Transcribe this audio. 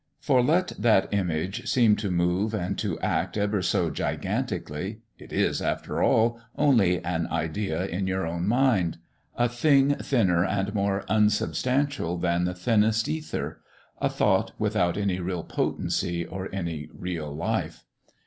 For let that image seem to move and to act ever so gigantically, it is, after all, only an idea in your own mind a thing thinner and more unsubstantial than the thinnest ether a thought without any real potency or any real life.